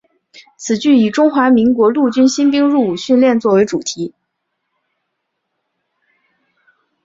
此剧以中华民国陆军新兵入伍训练作为主题。